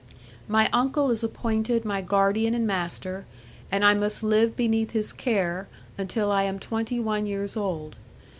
My uncle is appointed my guardian and master; and I must live beneath his care, until I am twenty one years old.